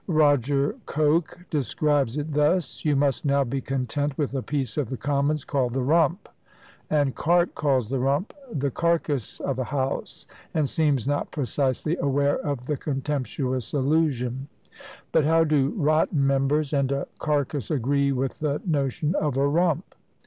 Roger Coke describes it thus: "You must now be content with a piece of the Commons called 'the Rump.'" And Carte calls the Rump, "the carcass of a house," and seems not precisely aware of the contemptuous allusion. But how do "rotten members" and "a carcass" agree with the notion of "a Rump?"